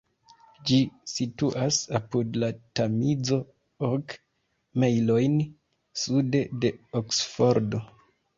Ĝi situas apud la Tamizo, ok mejlojn sude de Oksfordo.